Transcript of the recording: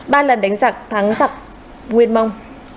ba lần đánh giặc thắng giặc nguyên mông